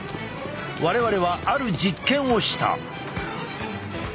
我々はある実験をした。